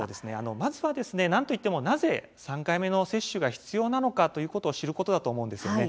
まずはなんといってもなぜ３回目の接種が必要かどうかということを知ることだと思います。